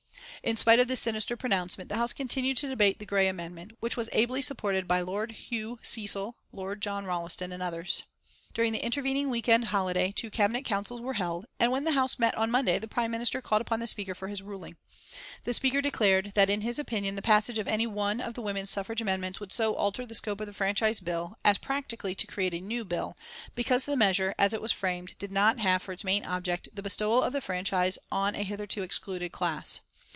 In spite of this sinister pronouncement, the House continued to debate the Grey amendment, which was ably supported by Lord Hugh Cecil, Sir John Rolleston, and others. During the intervening week end holiday two Cabinet councils were held, and when the House met on Monday the Prime Minister called upon the Speaker for his ruling. The Speaker declared that, in his opinion, the passage of any one of the woman suffrage amendments would so alter the scope of the Franchise Bill as practically to create a new bill, because the measure, as it was framed, did not have for its main object the bestowal of the franchise on a hitherto excluded class.